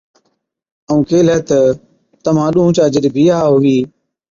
ائُون ڪيهلَي تہ، تمهان ڏُونه چا جِڏ بِيها هُوِي،